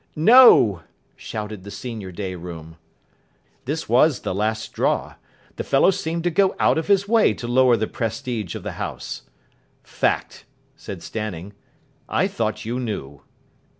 "No!" shouted the senior day room. This was the last straw. The fellow seemed to go out of his way to lower the prestige of the house. "Fact," said Stanning. "I thought you knew."